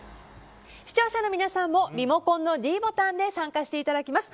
視聴者の皆さんもリモコンのｄボタンで参加していただけます。